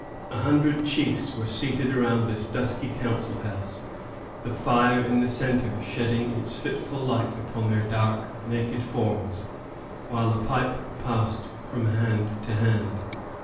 A hundred chiefs were seated around this dusky council house, the fire in the centre shedding its fitful light upon their dark, naked forms, while the pipe passed from hand to hand.